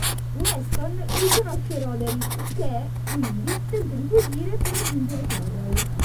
Weston riconosce Roderick che, quindi, tenta di fuggire per raggiungere Carroll.